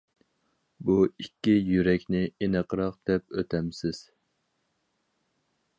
-بۇ ئىككى يۈرەكنى ئېنىقراق دەپ ئۆتەمسىز.